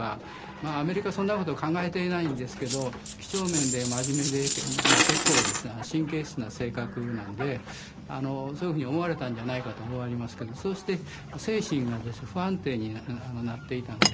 まあアメリカはそんなこと考えていないんですけど几帳面で真面目で結構神経質な性格なんでそういうふうに思われたんじゃないかと思いますけどそうして精神が不安定になっていたんで。